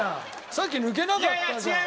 さっき抜けなかったじゃん。